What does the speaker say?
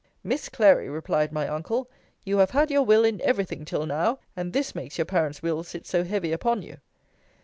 Miss Clary, replied my uncle, you have had your will in every thing till now; and this makes your parents' will sit so heavy upon you.